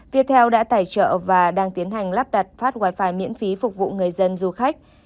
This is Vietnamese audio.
viettel đã tài trợ và đang tiến hành lắp đặt phát wifi miễn phí phục vụ người dân du khách